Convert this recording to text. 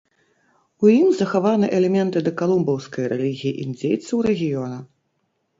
У ім захаваны элементы дакалумбаўскай рэлігіі індзейцаў рэгіёна.